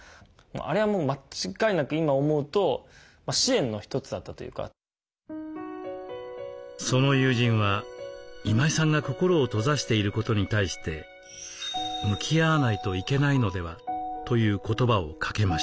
あれはもう間違いなくその友人は今井さんが心を閉ざしていることに対して「向き合わないといけないのでは」という言葉をかけました。